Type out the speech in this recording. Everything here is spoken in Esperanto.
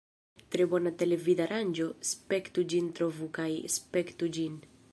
Tre bona televidaranĝo; spektu ĝin trovu kaj spektu ĝin!